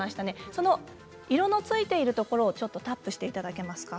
その色のついているところをタップしていただけますか？